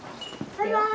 バイバイ。